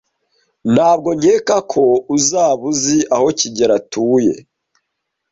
Ntabwo nkeka ko uzaba uzi aho kigeli atuye?